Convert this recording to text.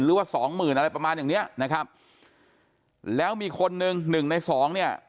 หรือว่าสองหมื่นอะไรประมาณอย่างเนี้ยนะครับแล้วมีคนหนึ่งหนึ่งในสองเนี่ย